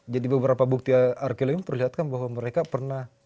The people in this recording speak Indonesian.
jadi beberapa bukti arkeologi ini perlihatkan bahwa mereka pernah